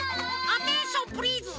アテンションプリーズ！